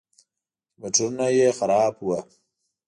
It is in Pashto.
کمپیوټرونه یې خراب وو.